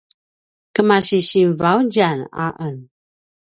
kemasi sinvaudjan a en